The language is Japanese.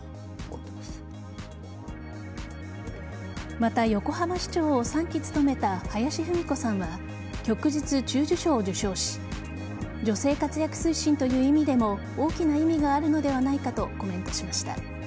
また、横浜市長を３期務めた林文子さんは旭日中綬章を受章し女性活躍推進という意味でも大きな意味があるのではないかとコメントしました。